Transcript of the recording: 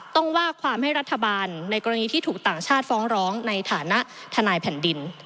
ต้องว่าความให้รัฐบาลในกรณีที่ถูกต่างชาติฟ้องร้องในฐานะทนายแผ่นดิน